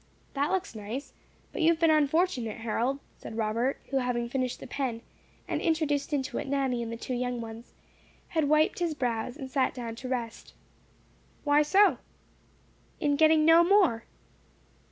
"That looks nice; but you have been unfortunate, Harold," said Robert, who having finished the pen, and introduced into it Nanny and the two young ones, had wiped his brows, and sat down to rest. "Why so?" "In getting no more."